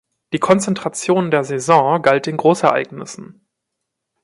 Die Konzentration der Saison galt den Großereignissen.